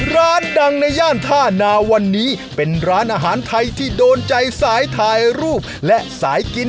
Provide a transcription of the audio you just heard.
ร้านดังในย่านท่านาวันนี้เป็นร้านอาหารไทยที่โดนใจสายถ่ายรูปและสายกิน